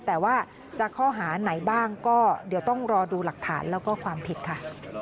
แต่ว่าจะข้อหาไหนบ้างก็เดี๋ยวต้องรอดูหลักฐานแล้วก็ความผิดค่ะ